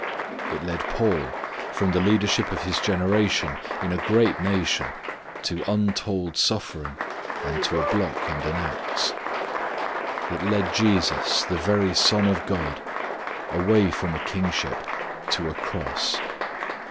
It led Paul from the leadership of his generation in a great nation to untold suffering, and to a block and an ax. It led Jesus the very Son of God, away from a kingship to a cross.